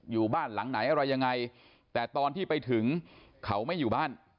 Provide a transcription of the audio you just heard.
อยู่บ้านหลังไหนอะไรยังไงแต่ตอนที่ไปถึงเขาไม่อยู่บ้าน